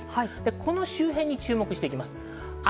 この周辺に注目していきます。